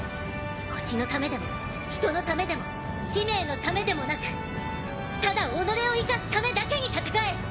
地球のためでも人類のためでも使命のためでもなくただ己を生かすためだけに戦え！